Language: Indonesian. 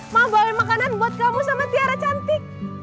mama bawa makanan buat kamu sama tiara cantik